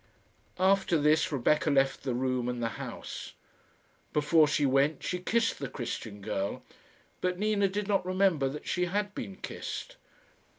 After this Rebecca left the room and the house. Before she went, she kissed the Christian girl; but Nina did not remember that she had been kissed.